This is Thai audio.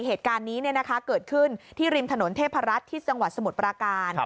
เหตุการณ์นี้เกิดขึ้นที่ริมถนนเทพรัฐที่จังหวัดสมุทรปราการ